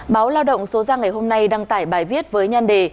báo lao động số ra ngày hôm nay đăng tải bài viết với nhan đề